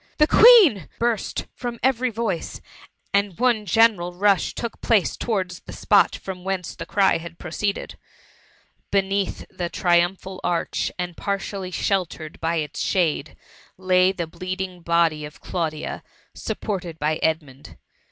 the Queen T burst from every voice, and one general rush took place towards the spot from whence the cry had proceeded. Beneath the triumphal arch, and partially dieltered by its shade, lay the bleeding body of Claudia, supported by Edmund.